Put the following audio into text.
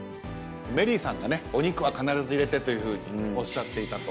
メリーさんがねお肉は必ず入れてとおっしゃっていたと。